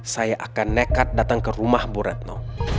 saya akan nekat datang ke rumah bu retno